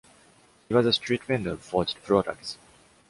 He was a street vendor of forged products.